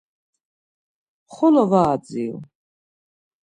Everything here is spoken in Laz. Xolo var adziru.